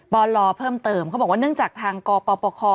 ปลเพิ่มเติมเขาบอกว่าเนื่องจากทางกปปค